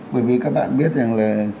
bởi vì các bạn biết rằng là